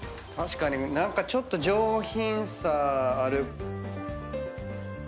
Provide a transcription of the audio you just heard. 確かに何かちょっと上品さある。